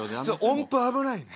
音符危ないんで。